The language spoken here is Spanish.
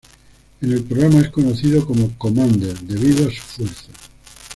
En el programa es conocido como "Commander", debido a su fuerza.